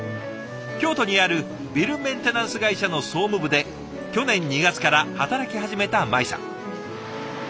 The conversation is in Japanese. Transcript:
京都にあるビルメンテナンス会社の総務部で去年２月から働き始めた舞さん。